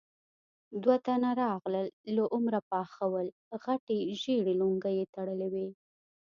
دوه تنه راغلل، له عمره پاخه ول، غټې ژېړې لونګۍ يې تړلې وې.